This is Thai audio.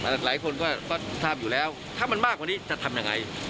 หลายคนก็ทราบอยู่แล้วถ้ามันมากกว่านี้จะทำยังไง